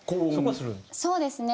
そうですね。